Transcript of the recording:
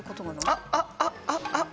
あっあっあっあっあっ。